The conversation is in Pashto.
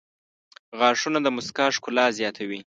• غاښونه د مسکا ښکلا زیاتوي.